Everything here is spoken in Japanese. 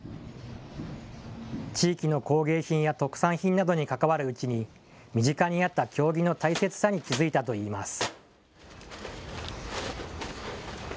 地域の工芸品や特産品などに関わるうちに身近にあった経木の大切さに気付いたといいます。